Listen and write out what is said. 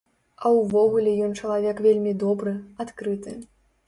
А ўвогуле ён чалавек вельмі добры, адкрыты.